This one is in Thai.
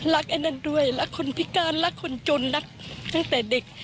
ไอ้นั่นด้วยรักคนพิการรักคนจนรักตั้งแต่เด็ก